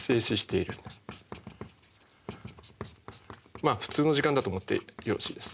まあ普通の時間だと思ってよろしいです。